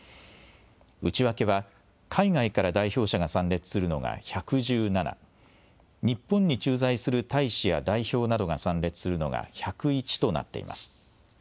内訳は海外から代表者が参列するのが１１７、日本に駐在する大使や代表などが参列するのが１０１となっています。